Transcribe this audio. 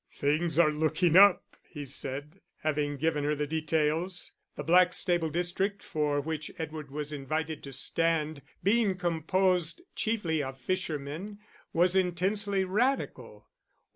"Things are looking up," he said, having given her the details. The Blackstable district for which Edward was invited to stand, being composed chiefly of fishermen, was intensely Radical.